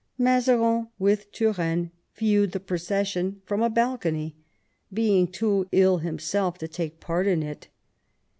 Mazarin, with Turenne, viewed the procession from a balcony, being too ill himself to take part in it.